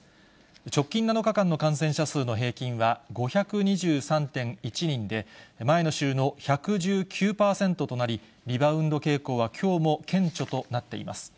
直近７日間の感染者数の平均は５２３．１人で、前の週の１１９％となり、リバウンド傾向はきょうも顕著となっています。